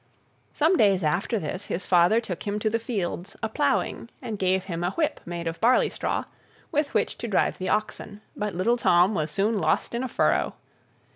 Some days after this, his father took him to the fields a ploughing, and gave him a whip, made of a barley straw, with which to drive the oxen; but little Tom was soon lost in a furrow.